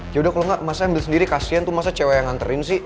yaudah kalo gak masa ambil sendiri kasian tuh masa cewek yang nganterin sih